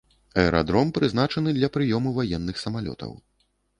Аэрадром прызначаны для прыёму ваенных самалётаў.